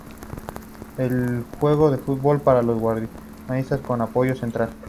Él jugó al fútbol para los guardiamarinas como apoyador central.